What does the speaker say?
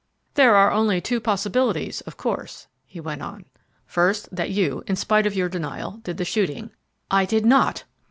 "There are only two possibilities, of course," he went on. "First, that you, in spite of your denial, did the shooting." "I did not!"